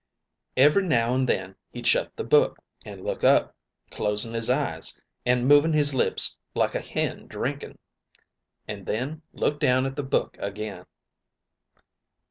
Every now and then he'd shut the book, an' look up, closing 'is eyes, an' moving his lips like a hen drinking, an' then look down at the book again.